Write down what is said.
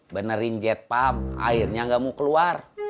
benerin jet pump airnya nggak mau keluar